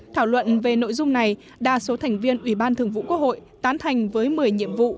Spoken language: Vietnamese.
thảo luận về nội dung này đa số thành viên ủy ban thường vụ quốc hội tán thành với một mươi nhiệm vụ